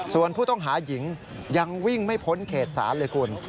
ส่วนผู้ต้องหาหญิงยังวิ่งไม่พ้นเขตศาลเลยคุณ